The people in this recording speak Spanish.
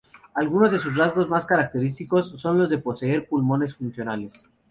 Algunos de sus rasgos más característicos son los de poseer pulmones funcionales.